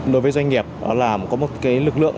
đối với doanh nghiệp đó là có một lực lượng